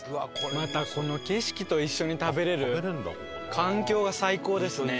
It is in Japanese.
またこの景色と一緒に食べられる環境が最高ですね。